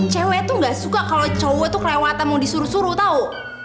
cewek tuh gak suka kalau cowok tuh kelewatan mau disuruh suruh tau